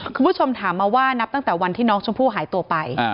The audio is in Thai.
คุณผู้ชมถามมาว่านับตั้งแต่วันที่น้องชมพู่หายตัวไป